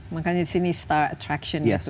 makanya disini star attraction gitu